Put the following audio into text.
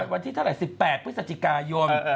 วันที่เท่าไหร่๑๘พฤศจิกายน